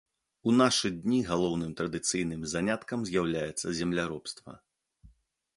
У нашы дні галоўным традыцыйным заняткам з'яўляецца земляробства.